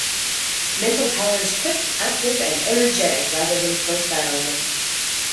Mental powers quick, active and energetic, rather than profound.